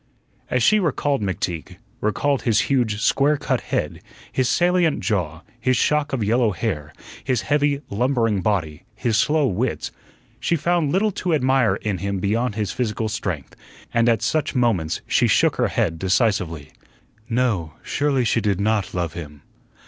As she recalled McTeague recalled his huge, square cut head, his salient jaw, his shock of yellow hair, his heavy, lumbering body, his slow wits she found little to admire in him beyond his physical strength, and at such moments she shook her head decisively. "No, surely she did not love him."